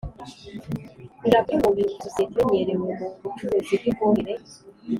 ihera kuri Nkubiri ufite sosiyete imenyerewe mu bucuruzi bw’ifumbire